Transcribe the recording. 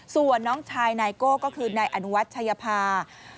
ส่วนน้องชายนายโก้ก็คือนายอนุวัชยภา